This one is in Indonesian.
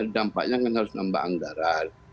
dampaknya harus menambah anggaran